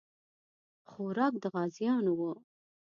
خوراک د غازیانو وو.